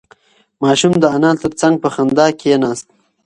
ماشوم د انا تر څنگ په خندا کې کېناست.